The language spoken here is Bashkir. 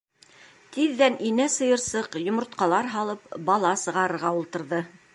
Тиҙҙән инә сыйырсыҡ, йомортҡалар һалып, бала сығарырға ултырҙы.